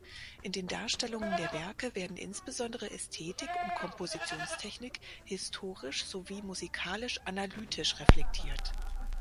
In den Darstellungen der Werke werden insbesondere Ästhetik und Kompositionstechnik historisch sowie musikalisch-analytisch reflektiert.